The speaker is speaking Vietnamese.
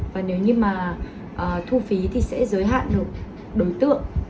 và nếu như mà thu phí thì sẽ giới hạn được đối tượng